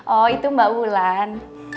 oh itu mbak wulan